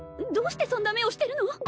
どうしてそんな目をしてるの？